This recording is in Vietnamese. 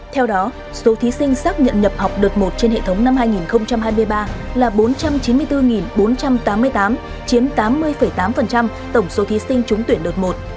theo đó số thí sinh xác nhận nhập học đợt một trên hệ thống năm hai nghìn hai mươi ba là bốn trăm chín mươi bốn bốn trăm tám mươi tám chiếm tám mươi tám tổng số thí sinh trúng tuyển đợt một